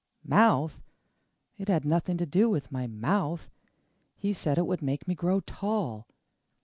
"Mouth? It had nothing to do with my mouth! He said it would make me grow tall.